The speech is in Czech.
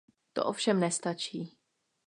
To ovšem nestačí.